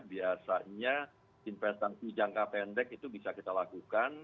biasanya investasi jangka pendek itu bisa kita lakukan